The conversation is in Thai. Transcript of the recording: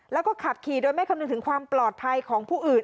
แล้วก็ขับขี่โดยไม่คำนึงถึงความปลอดภัยของผู้อื่น